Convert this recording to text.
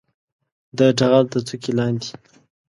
د ټغر د څوکې لاندې